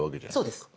そうです。